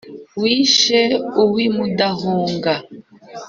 Wishe uw’i Mudahuga